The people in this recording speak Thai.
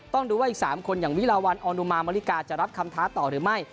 ต้องดูว่าอีก๓คนอย่างวิลาวันออนุมามริกาจะรับคำท้าต่อหรือไม่